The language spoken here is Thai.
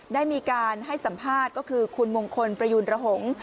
ได้มีการให้สัมภาษณ์ก็คือคุณมงคลประยูนระหงษ์